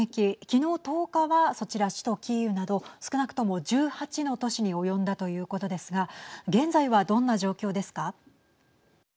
昨日１０日はそちら首都キーウなど少なくとも１８の都市に及んだということですが現在はどんな状況ですか。